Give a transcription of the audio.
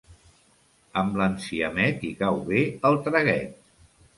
Amb l'enciamet hi cau bé el traguet.